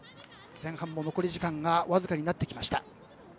前半も残り時間がわずかになってきました。